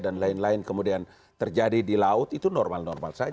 dan lain lain kemudian terjadi di laut itu normal normal saja